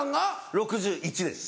６１歳です。